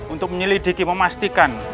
untuk menyelidiki memastikan